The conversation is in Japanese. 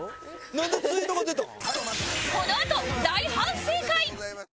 なんで「ツイード」が出たん？